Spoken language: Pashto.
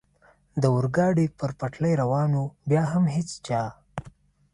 د اورګاډي پر پټلۍ روان و، بیا هم هېڅ چا.